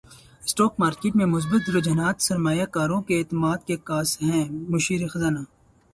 stock market میں مثبت رجحانات سرماریہ کاروں کے اعتماد کے عکاس ہیں مشیر خزانہ